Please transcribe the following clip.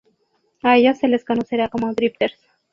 A ellos se les conocerá como "Drifters".